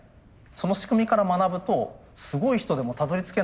その仕組みから学ぶとすごい人でもたどりつけない